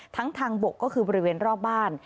ทางบกก็คือบริเวณรอบบ้าน